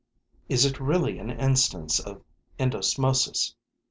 Is it really an instance of endosmosis?